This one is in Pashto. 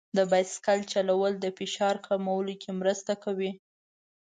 د بایسکل چلول د فشار کمولو کې مرسته کوي.